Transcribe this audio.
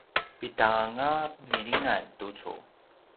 pidanga milingan tucu?